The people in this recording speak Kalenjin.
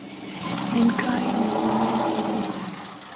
Enkai nabore enkitoo